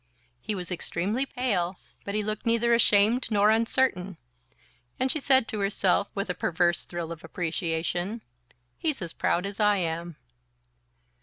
He was extremely pale, but he looked neither ashamed nor uncertain, and she said to herself, with a perverse thrill of appreciation: "He's as proud as I am."